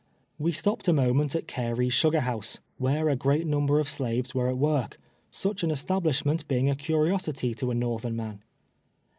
We stopped a moment at Carey's sugar house, where a great number of slaves were at work, such an establishment being a curiosity to a Xorthern nian.